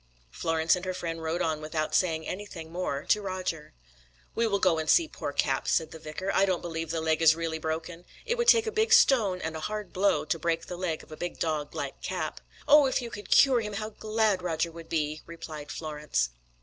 Florence and her friend rode on without saying anything more to Roger. "We will go and see poor Cap," said the vicar; "I don't believe the leg is really broken. It would take a big stone and a hard blow to break the leg of a big dog like Cap." "Oh, if you could cure him, how glad Roger would be!" replied Florence.